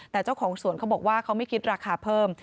แต่เจ้าของสวนเขาบอกว่าเขาไม่คิดราคาเพิ่ม